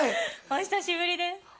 お久しぶりです。